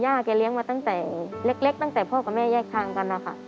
แกเลี้ยงมาตั้งแต่เล็กตั้งแต่พ่อกับแม่แยกทางกันนะคะ